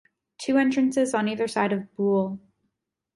Two entrances on either side of boul.